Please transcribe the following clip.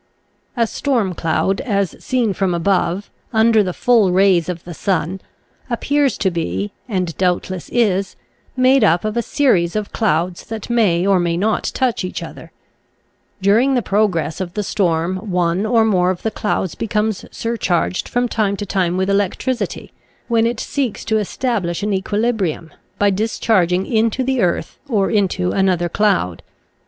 A storm cloud as seen from above, under the full rays of the sun, appears to be, and doubtless is, made up of a series of clouds that may or may not touch each other. Dur ing the progress of the storm one or more of the clouds becomes surcharged from time to (~~|, Original from UNIVERSITY OF WISCONSIN Sound. 65 time with electricity, when it seeks to estab lish an equilibrium, by discharging into the earth or into another cloud.